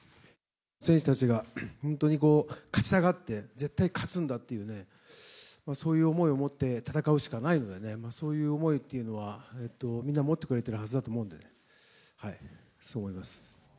選手たちが本当に勝ちたがって、絶対勝つんだっていうね、そういう思いを持って戦うしかないのでね、そういう思いっていうのは、皆持ってくれているはずだと思うんで、そう思います。